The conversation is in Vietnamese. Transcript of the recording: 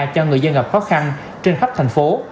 cho người dân gặp khó khăn trên khắp thành phố